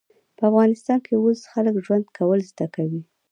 په افغانستان کې اوس خلک ژوند کول زده کوي